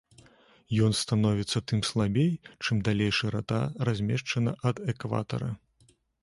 Ён становіцца тым слабей, чым далей шырата размешчана ад экватара.